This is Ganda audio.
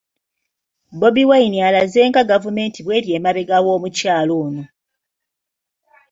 Bobi Wine alaze nga gavumenti bw'eri emabega w'omukyala ono